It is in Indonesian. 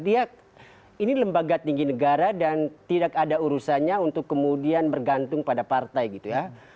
dia ini lembaga tinggi negara dan tidak ada urusannya untuk kemudian bergantung pada partai gitu ya